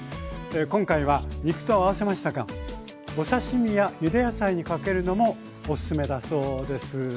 今回は肉と合わせましたがお刺身やゆで野菜にかけるのもおすすめだそうです。